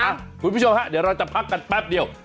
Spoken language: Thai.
สมมุติพี่ชมค่ะเดี๋ยวเราจะพักกันแปบเดียว